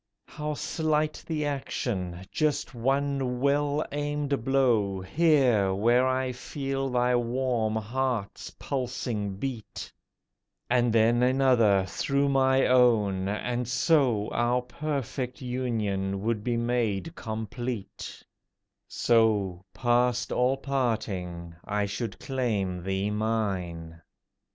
How slight the action! Just one well aimed blow Here, where I feel thy warm heart's pulsing beat, And then another through my own, and so Our perfect union would be made complete: So, past all parting, I should claim thee mine.